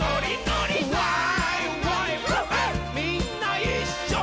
みんないっしょに。